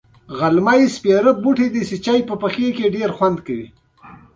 او د شاه د صحبت جوګه يې کړي